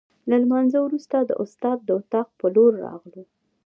له لمانځه وروسته د استاد د اتاق په لور راغلو.